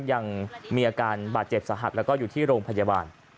ยังมีอาการบาดเจ็บสาหัสแล้วก็อยู่ที่โรงพยาบาล